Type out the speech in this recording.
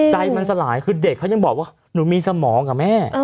ใจมันสลายคือเด็กเขายังบอกว่าหนูมีสมองกับแม่